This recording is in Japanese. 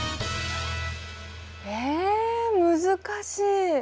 え難しい。